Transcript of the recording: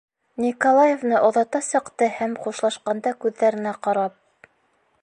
Николаевна оҙата сыҡты һәм хушлашҡанда күҙҙәренә ҡарап: